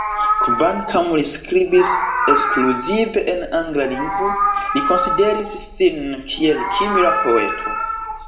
Kvankam li skribis ekskluzive en angla lingvo, li konsideris sin kiel kimra poeto.